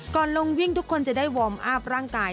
ก่อนลงวิ่งทุกคนจะได้วอร์มอัพร่างกาย